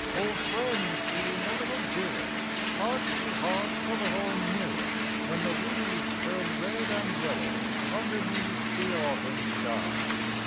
d Old 'friends seem a little dearer; Hearts to Hearts a little nearer, ( ADhen the leases turn red and Ljello^ Underneath the Autumn shij.